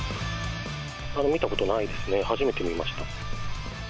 見たことないですね、初めて見ました。